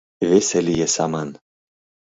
Весе лие саман.